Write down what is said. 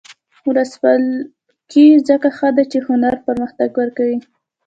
ولسواکي ځکه ښه ده چې هنر پرمختګ ورکوي.